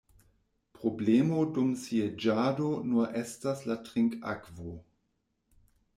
Problemo dum sieĝado nur estas la trinkakvo.